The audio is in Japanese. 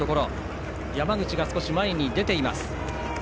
山口が少し前に出ています。